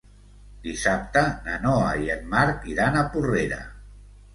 Dissabte na Noa i en Marc iran a Porrera.